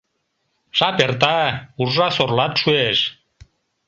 Жап эрта, уржа-сорлат шуэш.